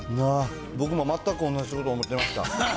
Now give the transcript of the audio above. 僕も全く同じことを思ってました。